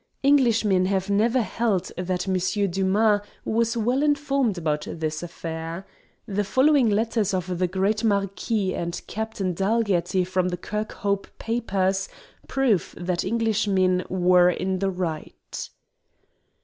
Englishmen have never held that Monsieur Dumas was well informed about this affair. The following letters of the Great Marquis and Captain Dalgetty from the "Kirkhope Papers" prove that Englishmen were in the right.